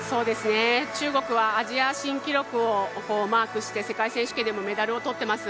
中国はアジア新記録をマークして世界選手権でもメダルを取ってます。